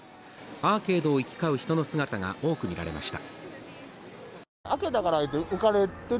アーケードを行き交う人の姿が多く見られました。